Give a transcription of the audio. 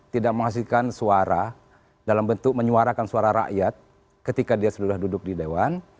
tidak menghasilkan suara dalam bentuk menyuarakan suara rakyat ketika dia sudah duduk di dewan